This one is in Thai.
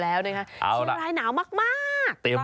แต่อาจจะมีฝน